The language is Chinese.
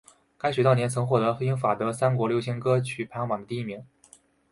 该曲当年曾获得英法德三国流行歌曲排行榜的第一名。